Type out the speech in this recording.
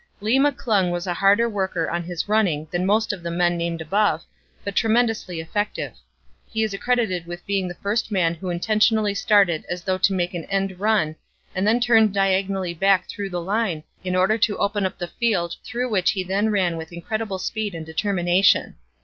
"Lee McClung was a harder worker in his running than most of the men named above, but tremendously effective. He is accredited with being the first man who intentionally started as though to make an end run and then turned diagonally back through the line, in order to open up the field through which he then ran with incredible speed and determination.